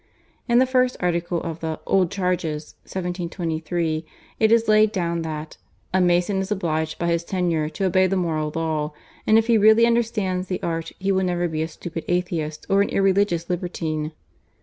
In the first article of the /Old Charges/ (1723) it is laid down that, "A mason is obliged by his tenure to obey the moral law, and if he really understands the art he will never be a stupid atheist or an irreligious libertine."